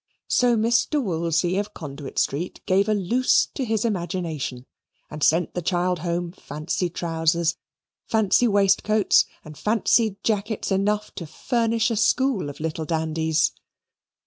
So, Mr. Woolsey, of Conduit Street, gave a loose to his imagination and sent the child home fancy trousers, fancy waistcoats, and fancy jackets enough to furnish a school of little dandies.